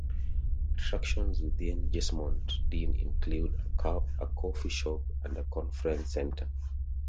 Attractions within Jesmond Dene include a coffee shop and a conference centre.